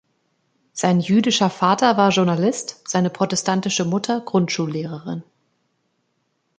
Sein jüdischer Vater war Journalist, seine protestantische Mutter Grundschullehrerin.